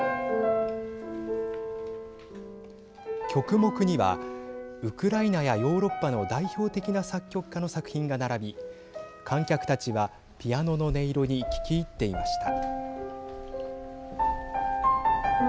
曲目にはウクライナやヨーロッパの代表的な作曲家の作品が並び観客たちはピアノの音色に聞き入っていました。